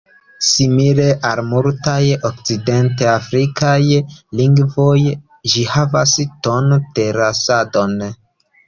Simile al multaj Okcident-Afrikaj lingvoj, ĝi havas ton-terasadon.